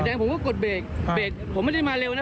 ผมก็กดเบรกเบรกผมไม่ได้มาเร็วนะ